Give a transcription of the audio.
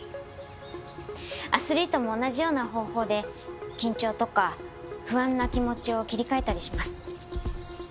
アスリートも同じような方法で緊張とか不安な気持ちを切り替えたりします。